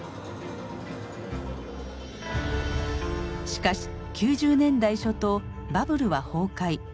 しかし９０年代初頭バブルは崩壊。